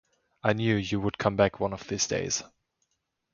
I knew you would come back one of these days.